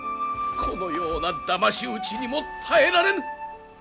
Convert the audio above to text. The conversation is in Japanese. このようなだまし討ちにも耐えられぬ！